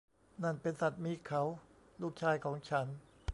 นั่นเป็นสัตว์มีเขา ลูกชายของฉัน